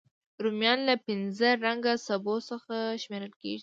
رومیان له پینځه رنګه سبو څخه شمېرل کېږي